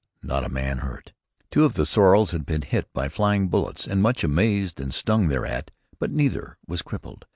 Not a man hurt. Two of the sorrels had been hit by flying bullets and much amazed and stung thereat, but neither was crippled.